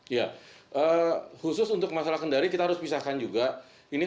ya khusus untuk masalah kendari kita harus pisahkan juga ini kan masih dalam penyelidikan